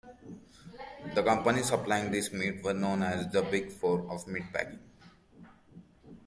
The companies supplying this meat were known as the "Big Four" of meatpacking.